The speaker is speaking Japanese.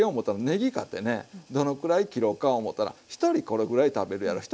どのくらい切ろうか思うたら１人これぐらい食べるやろ１人